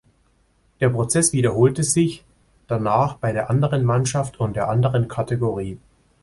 Der Prozess wiederholte sich danach bei der anderen Mannschaft und der anderen Kategorie.